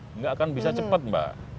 tidak akan bisa cepat mbak